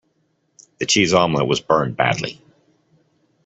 The cheese omelette was burned badly.